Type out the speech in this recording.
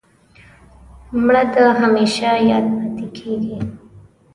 مړه د همېشه یاد پاتېږي